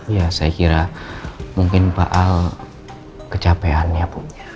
ya saya kira mungkin pak al kecapeannya puh